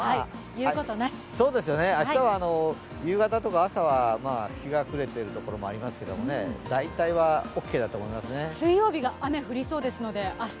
明日は夕方とか朝は、日が暮れているところもありますけど水曜日が雨が降りそうですので明日